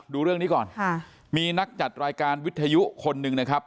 ดูเรื่องนี้ก่อนค่ะมีนักจัดรายการวิทยุคนหนึ่งนะครับ